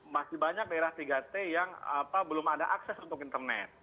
masih banyak daerah tiga t yang belum ada akses untuk internet